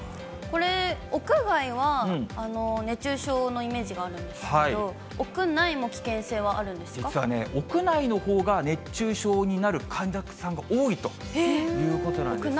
これ、屋外は熱中症のイメージがあるんですけど、実はね、屋内のほうが熱中症になる患者さんが多いということなんです。